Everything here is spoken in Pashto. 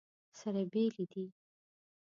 سره بېلې دي.